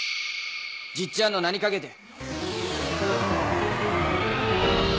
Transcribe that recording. じっちゃんの名にかけて！